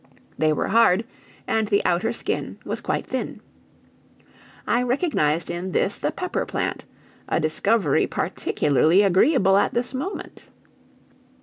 They were hard, and the outer skin was quite thin. I recognized in this the pepper plant, a discovery particularly agreeable at this moment.